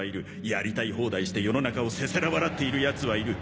やりたい放題して世の中をせせら笑っている奴はいる。